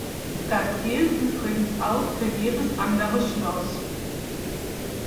Das gilt übrigens auch für jedes andere Schloss.